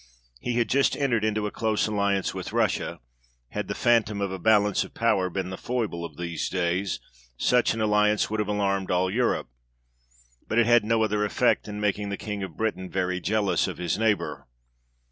He had just entered into a close alliance with Russia : had the phantom of a balance of power been the foible of these days, such an alliance would have alarmed all Europe ; but it had no other effect than making the King of Great Britain very jealous of his neighbour.